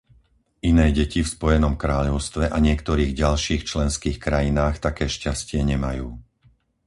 Iné deti v Spojenom kráľovstve a niektorých ďalších členských krajinách také šťastie nemajú.